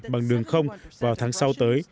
bằng đường không vào tháng sau tới